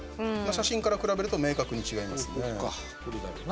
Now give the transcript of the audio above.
写真から比べると明確に違いますね。